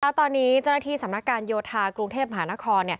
ตอนนี้เจ้าหน้าที่สำนักการโยธากรุงเทพมหานคร